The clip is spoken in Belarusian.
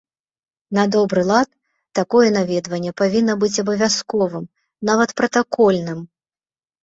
На добры лад, такое наведванне павінна быць абавязковым, нават пратакольным.